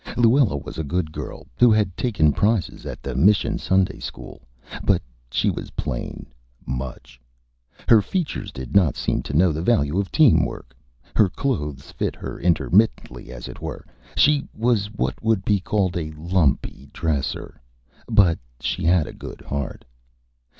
Luella was a Good Girl, who had taken Prizes at the Mission Sunday School, but she was Plain, much. Her Features did not seem to know the value of Team Work. Her Clothes fit her Intermittently, as it were. She was what would be called a Lumpy Dresser. But she had a good Heart.